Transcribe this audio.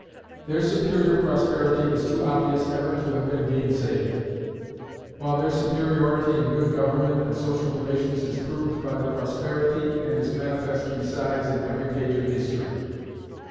Their superior prosperity was too obvious ever to have been gainsayed; while their superiority in good government and social relations is proved by the prosperity, and is manifest besides in every page of history.